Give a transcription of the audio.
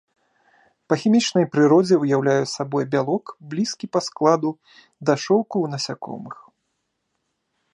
Па хімічнай прыродзе ўяўляе сабой бялок, блізкі па складу да шоўку у насякомых.